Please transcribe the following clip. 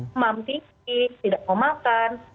demam tinggi tidak mau makan